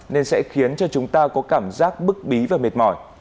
nên sẽ khiến cho chúng ta có cảm giác bức bí và mệt mỏi